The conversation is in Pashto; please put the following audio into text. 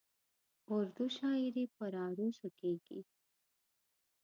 اردو شاعري پر عروضو کېږي.